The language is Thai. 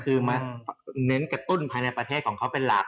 คือมาเน้นกระตุ้นภายในประเทศของเขาเป็นหลัก